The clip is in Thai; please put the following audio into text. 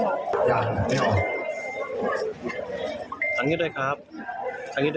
อุ๊ยคับเบียนโลดคับเบียนโลด